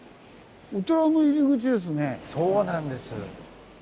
そうなんです。